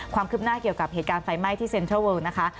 ความคืบหน้าเกี่ยวกับเหตุการณ์ไฟไหม้ที่เซ็นทรัลเวิลนะคะ